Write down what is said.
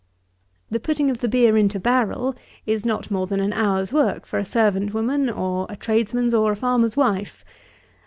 68. The putting of the beer into barrel is not more than an hour's work for a servant woman, or a tradesman's or a farmer's wife.